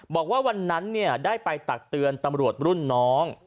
บอกว่าวันนั้นได้ไปตักเตือนตำรวจรุ่นน้อง